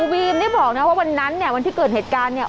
วีมนี่บอกนะว่าวันนั้นเนี่ยวันที่เกิดเหตุการณ์เนี่ย